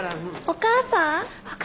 お母さん。